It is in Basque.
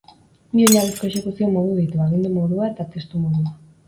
Bi oinarrizko exekuzio modu ditu: Agindu modua eta Testu modua.